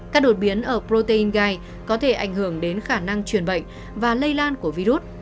các đột biến ở protein gai có thể ảnh hưởng đến khả năng truyền bệnh và lây lan của virus